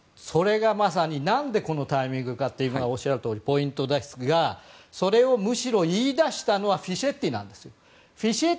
なんでこのタイミングかというのがおっしゃるとおりポイントですがそれをむしろ言い出したのはフィシェッティなんです。